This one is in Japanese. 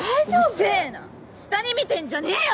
うっせぇな下に見てんじゃねぇよ